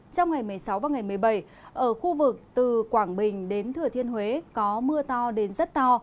trong ngày một mươi sáu và ngày một mươi bảy ở khu vực từ quảng bình đến thừa thiên huế có mưa to đến rất to